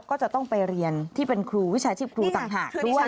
ก็จะต้องไปเรียนที่เป็นครูวิชาชีพครูต่างหากด้วย